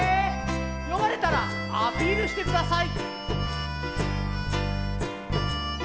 よまれたらアピールしてください！